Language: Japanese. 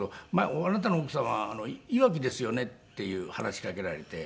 「あなたの奥さんはいわきですよね？」っていう話しかけられて。